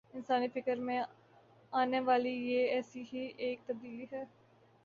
انسانی فکر میں آنے والی یہ ایسی ہی ایک تبدیلی ہے۔